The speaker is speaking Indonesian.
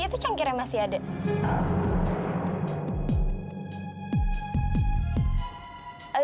itu cangkirnya masih ada